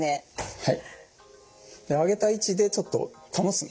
はい。